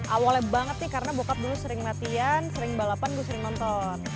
awalnya banget nih karena bocat dulu sering latihan sering balapan gue sering nonton